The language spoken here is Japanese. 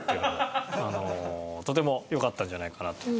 とてもよかったんじゃないかなと。